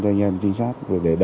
cho anh em trinh sát